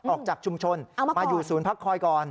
ออกจากชุมชนมาอยู่ศูนย์พักคอยก่อน